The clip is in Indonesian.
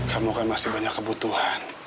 kamu kan masih banyak kebutuhan